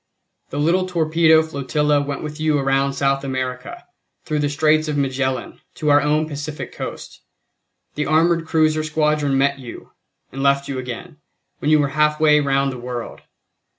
"The little torpedo flotilla went with you around South America, through the Straits of Magellan, to our own Pacific Coast. The armored cruiser squadron met you, and left you again, when you were half way round the world.